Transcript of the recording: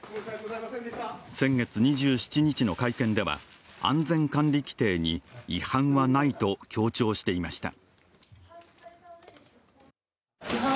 先月２７日の会見では安全管理規程に違反はないと強調していました。